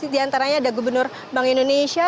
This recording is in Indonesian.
diantaranya ada gubernur bank indonesia